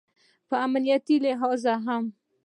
په امنیتي لحاظ هم